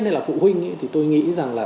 hay là phụ huynh thì tôi nghĩ rằng là